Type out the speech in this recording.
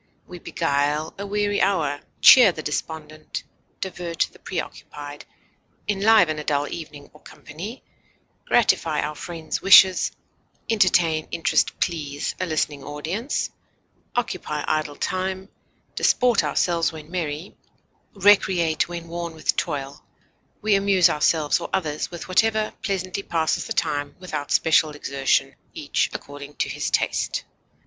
We beguile a weary hour, cheer the despondent, divert the preoccupied, enliven a dull evening or company, gratify our friends' wishes, entertain, interest, please a listening audience, occupy idle time, disport ourselves when merry, recreate when worn with toil; we amuse ourselves or others with whatever pleasantly passes the time without special exertion, each according to his taste.